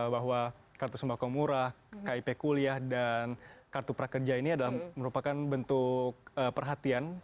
bahwa kartu sembako murah kip kuliah dan kartu prakerja ini adalah merupakan bentuk perhatian